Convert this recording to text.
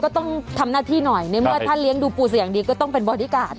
ก็ต้องทำหน้าที่หน่อยในเมื่อถ้าเลี้ยงดูปูเสียอย่างดีก็ต้องเป็นบอดี้การ์ด